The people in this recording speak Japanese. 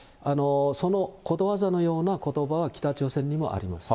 そのことわざのようなことばは、北朝鮮にもあります。